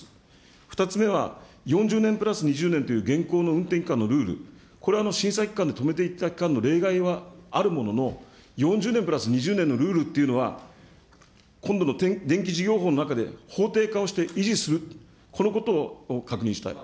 ２つ目は、４０年プラス２０年という、現行の運転期間のルール、これは震災期間で止めていた期間の例外はあるものの、４０年プラス２０年のルールっていうのは、今度の電気事業法の中で法定化をして維持する、このことを確認したい。